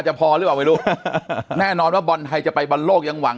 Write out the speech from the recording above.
พอหรือเปล่าไม่รู้แน่นอนว่าบอลไทยจะไปบอลโลกยังหวัง